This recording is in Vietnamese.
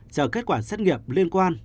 chờ kết quả xét nghiệm liên quan